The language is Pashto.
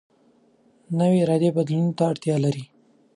نوې اراده بدلون ته اړتیا لري